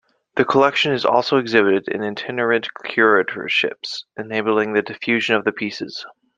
The collection is also exhibited in itinerant curatorships, enabling the diffusion of the pieces.